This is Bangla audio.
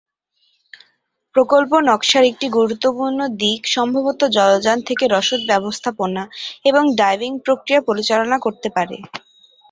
প্রকল্পের নকশার একটি গুরুত্বপূর্ণ দিক সম্ভবত জলযান থেকে রসদ ব্যবস্থাপনা এবং ডাইভিং প্রক্রিয়া পরিচালনা করতে পারে।